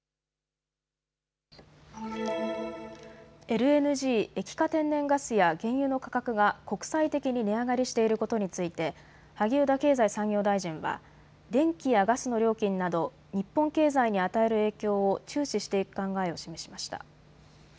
ＬＮＧ・液化天然ガスや原油の価格が国際的に値上がりしていることについて萩生田経済産業大臣は電気やガスの料金など日本経済に与える影響を注視していく考えを示しました。